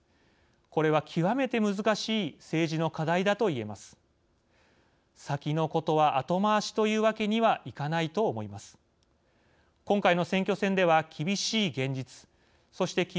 これは極めて難しい政治の課題だと言えます。